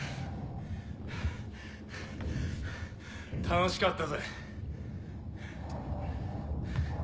楽しかったぜ。